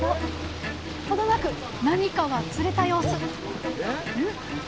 程なく何かが釣れた様子！